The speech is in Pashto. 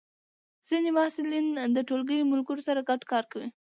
ځینې محصلین د ټولګی ملګرو سره ګډ کار کوي.